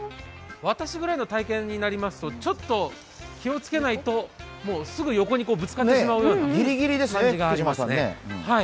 私ぐらいの体形になりますとちょっと気をつけないとすぐ横にぶつかってしまうような感じがあります。